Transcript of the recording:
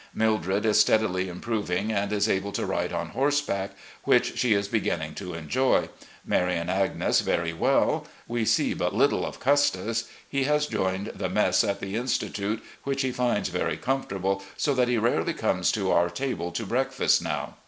Mildred is steadily improving, and is able to ride on horseback, which she is beginning to enjoy. Mary and Agnes very well. We see but little of Custis. He has joined the mess at the institute, which he finds very comfortable, so that he rarely comes to our table to breakfast now.